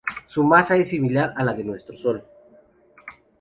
Su masa es similar a la de nuestro Sol.